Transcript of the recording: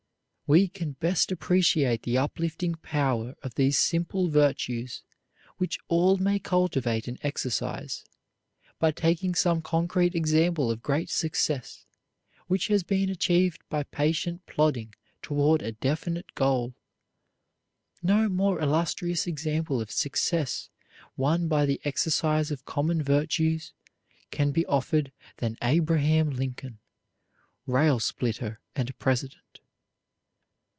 We can best appreciate the uplifting power of these simple virtues which all may cultivate and exercise, by taking some concrete example of great success which has been achieved by patient plodding toward a definite goal. No more illustrious example of success won by the exercise of common virtues can be offered than Abraham Lincoln, rail splitter and president.